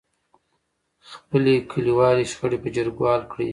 خپلې کليوالې شخړې په جرګو حل کړئ.